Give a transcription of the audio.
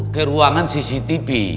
ke ruangan cctv